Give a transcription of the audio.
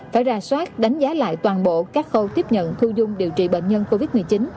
phải ra soát đánh giá lại toàn bộ các khâu tiếp nhận thu dung điều trị bệnh nhân covid một mươi chín